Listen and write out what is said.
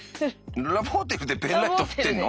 ラブホテルでペンライト振ってんの？